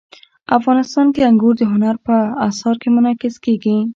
افغانستان کې انګور د هنر په اثار کې منعکس کېږي.